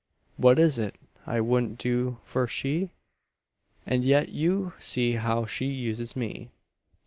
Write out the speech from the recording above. What is it I wouldn't do for she? And yet you see how she uses me.